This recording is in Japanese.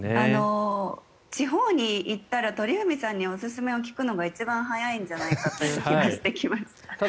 地方に行ったら、鳥海さんにおすすめを聞くのが一番早いんじゃないかという気がしてきました。